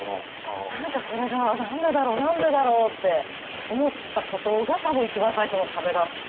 何かそれが何でだろう何でだろうって思ったことが多分一番最初の壁だったんですよね。